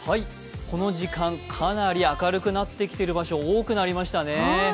この時間、かなり明るくなってきている場所、多くなってきましたね。